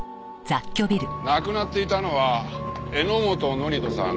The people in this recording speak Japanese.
亡くなっていたのは榎本紀人さん